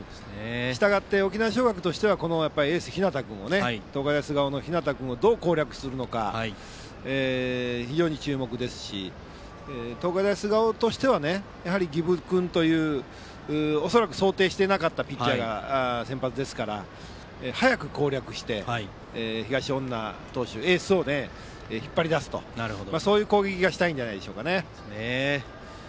したがって沖縄尚学としてはエース日當君をどう攻略するのか非常に注目ですし東海大菅生としては儀部君という恐らく想定していなかったピッチャーが先発ですから、早く攻略して東恩納投手、エースを引っ張り出すというそういう攻撃がしたいんじゃないですかね。